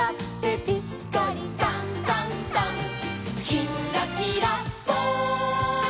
「きんらきらぽん」